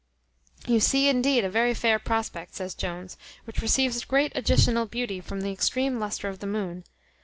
"You see, indeed, a very fair prospect," says Jones, "which receives great additional beauty from the extreme lustre of the moon.